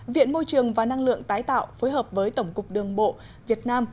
viện môi trường và năng lượng tái tạo phối hợp với tổng cục đường bộ việt nam